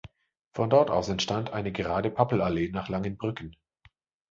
Von dort aus entstand eine gerade Pappelallee nach Langenbrücken.